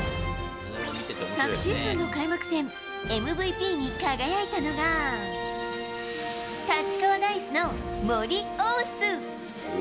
昨シーズンの開幕戦ＭＶＰに輝いたのが、立川ダイスの森黄州。